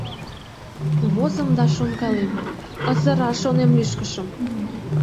Возым да шонкалем: ызыра, шонем, лӱшкышым.